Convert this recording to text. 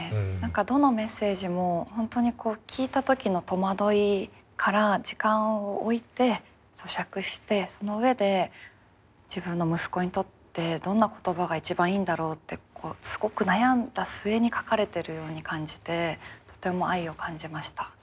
何かどのメッセージも本当にこう聞いた時の戸惑いから時間を置いてそしゃくしてその上で自分の息子にとってどんな言葉が一番いいんだろうってすごく悩んだ末に書かれてるように感じてとても愛を感じました。